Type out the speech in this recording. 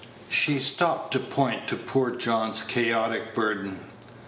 She stopped to point to poor John's chaotic burden.